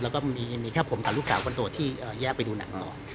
แล้วก็มีแค่ผมกับลูกสาวคนโสดที่แยกไปดูหนังก่อน